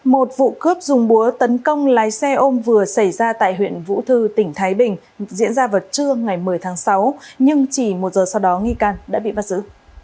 một vụ cướp dùng búa tấn công lái xe ôm vừa xảy ra tại huyện vũ thư tỉnh thái bình diễn ra vào trưa ngày một mươi tháng sáu nhưng chỉ một giờ sau đó nghi can đã bị bắt giữ